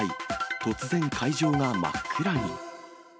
突然、会場が真っ暗に。